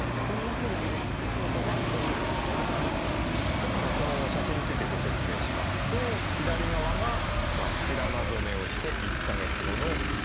ちょっとこの写真についてご説明しますと左側が白髪染めをして１か月後の写真。